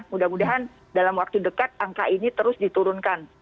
mudah mudahan dalam waktu dekat angka ini terus diturunkan